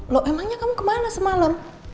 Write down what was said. loh emangnya kamu kemana semalam